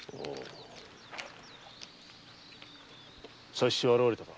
佐七は現れたか？